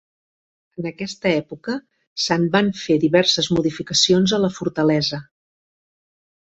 En aquesta època se'n van fer diverses modificacions a la fortalesa.